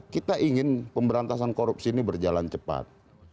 kita ingin pemberantasan korupsi ini berjalan cepat